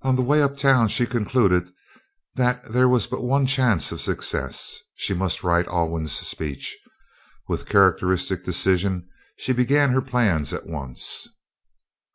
On the way up town she concluded that there was but one chance of success: she must write Alwyn's speech. With characteristic decision she began her plans at once.